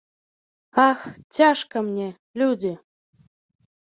Ах, цяжка мне, людзі!